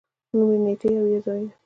نوم، نېټې او یا ځايونه